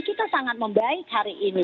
kita sangat membaik hari ini